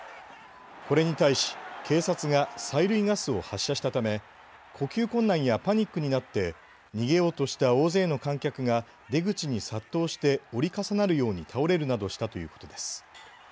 これに対し警察が催涙ガスを発射したため呼吸困難やパニックになって逃げようとした大勢の観客が出口に殺到して折り重なるように倒れるなどしたということです。